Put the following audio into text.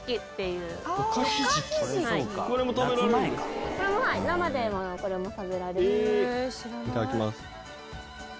いただきます。